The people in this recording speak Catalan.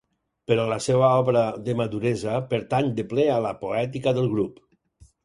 Però la seva obra de maduresa pertany de ple a la poètica del grup.